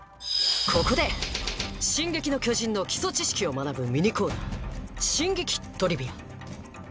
ここで「進撃の巨人」の基礎知識を学ぶミニコーナー「進撃トリビア」。